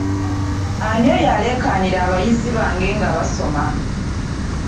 Ani oyo aleekaanira abayizi bange nga basoma?